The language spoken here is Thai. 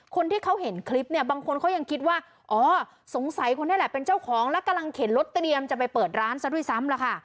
คนที่เขาเห็นคลิปเนี่ยบางคนเขายังคิดว่าอ๋อสงสัยคนนี้แหละเป็นเจ้าของแล้วกำลังเข็นรถเตรียมจะไปเปิดร้านซะด้วยซ้ำล่ะค่ะ